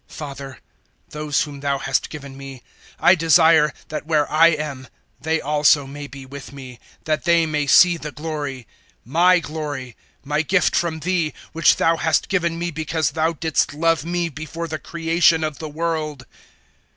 017:024 "Father, those whom Thou hast given me I desire that where I am they also may be with me, that they may see the glory my glory my gift from Thee, which Thou hast given me because Thou didst love me before the creation of the world.